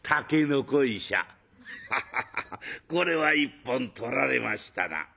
「ハハハハこれは一本取られましたな」。